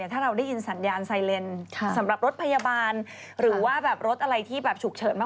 ถ้าเราได้อินสัญญาณไซเลนท์สำหรับรถพยาบาลค่ะค่ะหรือว่ารถอะไรที่ฉุกเฉินมาก